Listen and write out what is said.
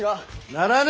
ならぬ！